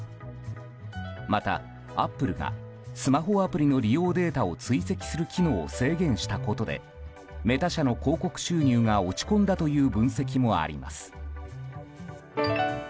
また、アップルがスマホアプリの利用データを追跡する機能を制限したことでメタ社の広告収入が落ち込んだという分析もあります。